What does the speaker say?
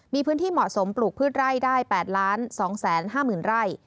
มีพื้นที่เหมาะสมปลูกพืชไร่ได้๘๒๕๐๐๐ไร่